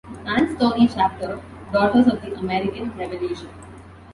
Ann Story Chapter, Daughters of the American Revolution.